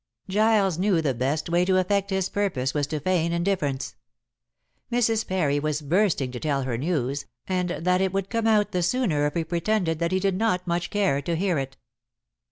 Giles knew the best way to effect his purpose was to feign indifference. Mrs. Parry was bursting to tell her news, and that it would come out the sooner if he pretended that he did not much care to hear it.